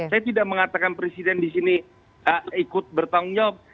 saya tidak mengatakan presiden di sini ikut bertanggung jawab